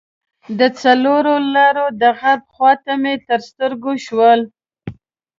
د څلور لارې د غرب خواته مې تر سترګو شو.